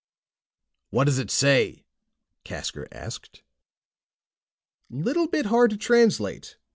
"What does it say?" Casker asked. "Little bit hard to translate.